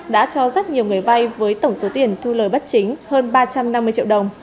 đã cho rất nhiều người vay với tổng số tiền thu lời bất chính hơn ba trăm năm mươi triệu đồng